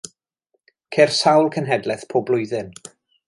Ceir sawl cenhedlaeth pob blwyddyn.